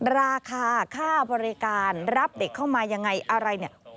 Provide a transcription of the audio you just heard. ราคาค่าบริการรับเด็กเข้ามาอย่างไรอะไร